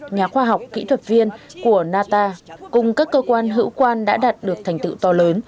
nhà khoa học kỹ thuật viên của nata cùng các cơ quan hữu quan đã đạt được thành tựu to lớn